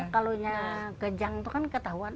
kalaunya kejang itu kan ketahuan